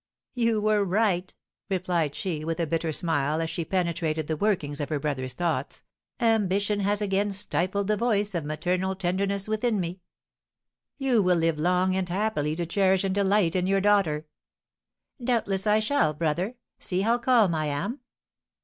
"You were right," replied she, with a bitter smile, as she penetrated the workings of her brother's thoughts, "ambition has again stifled the voice of maternal tenderness within me!" "You will live long and happily to cherish and delight in your daughter." "Doubtless I shall, brother. See how calm I am!"